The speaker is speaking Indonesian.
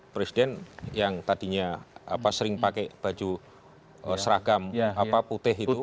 presiden yang tadinya sering pakai baju seragam putih itu